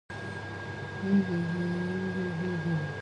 They have had great popularity.